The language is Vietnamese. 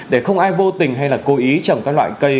để không ai vô tình hay là cố ý trồng các loại cây